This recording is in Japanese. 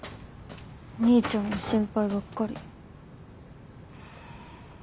お兄ちゃんの心配ばっかり。